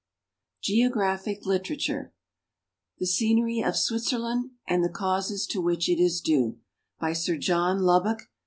GEOGRAPHIC LITERATURE The Scenery of Switzerland and the Causes to which it is due. By Sir John Lubbock.